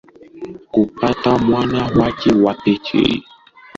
ya pili ya uchaguzi wa urais nchini ivory coast